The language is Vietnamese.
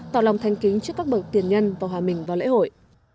tạo lòng thanh kính trước các bậc tiền nhân và hòa mình vào lễ hội